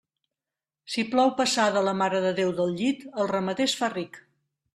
Si plou passada la Mare de Déu del llit, el ramader es fa ric.